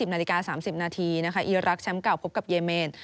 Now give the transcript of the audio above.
นาฬิกา๓๐นาทีนะคะอีรักษ์แชมป์เก่าพบกับเยเมน